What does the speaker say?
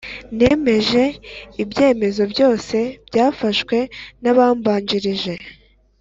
nemeje ibyemezo byose byafashwe n’abambanjirije,